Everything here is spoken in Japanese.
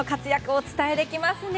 お伝えできますね。